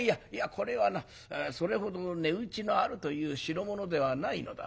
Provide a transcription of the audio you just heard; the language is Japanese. これはなそれほど値打ちのあるという代物ではないのだ。